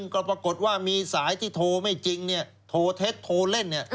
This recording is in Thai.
ก็ปรากฏว่ามีสายที่โทรไม่จริงโทรเทคโทรเล่น